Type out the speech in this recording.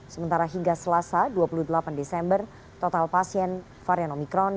sementara hingga selasa dua puluh delapan desember total pasien varian omikron